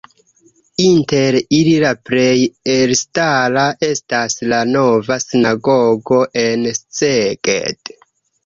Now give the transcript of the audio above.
Inter ili la plej elstara estas la nova sinagogo en Szeged.